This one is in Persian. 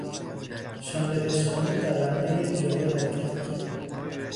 شانه به شانهی دوندهی جلو حرکت میکرد.